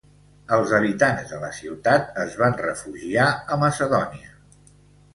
Els habitants de la ciutat es van refugiar a Macedònia.